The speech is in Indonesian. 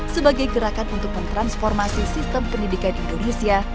sebagai gerakan untuk mentransformasi sistem pendidikan indonesia